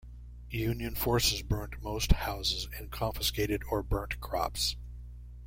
Union forces burnt most houses and confiscated or burnt crops.